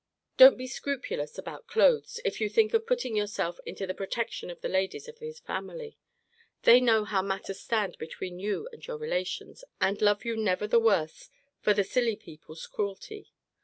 Don't be scrupulous about clothes, if you think of putting yourself into the protection of the ladies of his family. They know how matters stand between you and your relations, and love you never the worse for the silly people's cruelty.